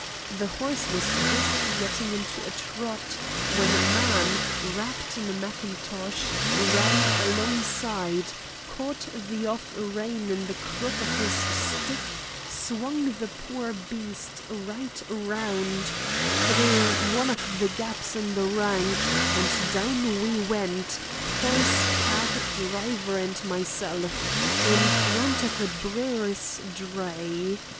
The horse was just getting into a trot when a man, wrapped in a mackintosh, ran alongside, caught the off rein in the crook of his stick, swung the poor beast right round through one of the gaps in the rank, and down we went horse, cab, driver, and myself in front of a brewer's dray.